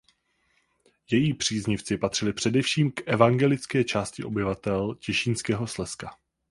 Její příznivci patřili především k evangelické části obyvatel Těšínského Slezska.